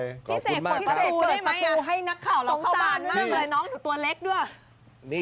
พี่เสกเพราะว่าพี่เสกก็ได้ไหมตรงสารกับอะไรน้องตัวเล็กด้วย